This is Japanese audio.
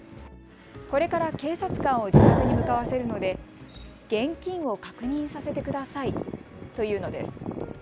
これから警察官を自宅に向かわせるので現金を確認させてくださいと言うのです。